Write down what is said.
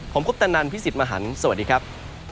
ผมคุปตะนันพี่สิทธิ์มหันฯสวัสดีครับ